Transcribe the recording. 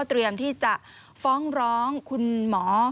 เตรียมที่จะฟ้องร้องคุณหมอ